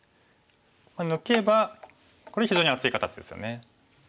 抜けばこれ非常に厚い形ですよね。